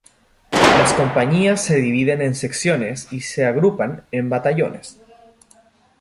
Las compañías se dividen en secciones y se agrupan en batallones.